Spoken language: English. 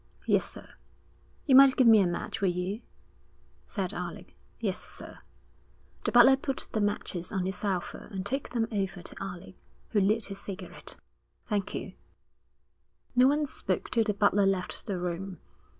'Yes, sir.' 'You might give me a match, will you?' said Alec. 'Yes, sir.' The butler put the matches on his salver and took them over to Alec, who lit his cigarette. 'Thank you.' No one spoke till the butler left the room.